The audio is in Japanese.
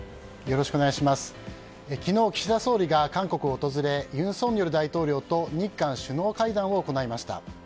昨日、岸田総理が韓国を訪れ尹錫悦大統領と日韓首脳外交を行いました。